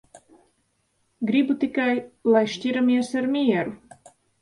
Gribu tikai, lai šķiramies ar mieru.